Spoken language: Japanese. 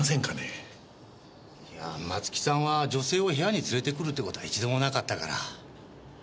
いや松木さんは女性を部屋に連れて来るってことは一度もなかったから。